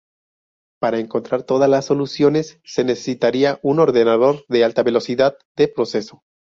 Para encontrar todas las soluciones se necesitaría un ordenador de alta velocidad de proceso.